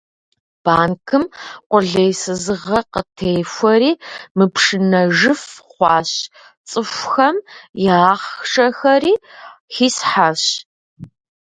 Банкым къулейсызыгъэ къытехуэри мыпшынэжыф хъуащ, цӏыхухэм я ахъшэхэри хисхьащ.